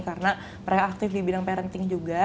karena mereka aktif di bidang parenting juga